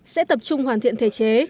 sẽ tập trung hoàn thiện thể chế